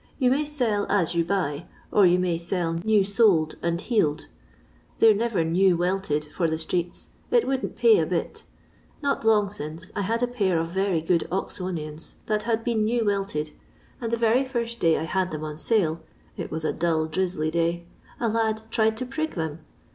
You may sell as you buy, or you may sell new soled and heeled. They 're never new welted for the streets. It wouldn't pay a bit Not long since I had a pair of very good Oxonians that had been new welted, and the very first day I had them on sale — it was a dull drizxly day — a lad tried to prig them.